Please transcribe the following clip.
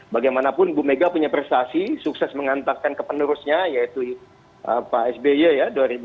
bagaimanapun bu mega punya prestasi sukses mengantarkan ke penerusnya yaitu pak sby ya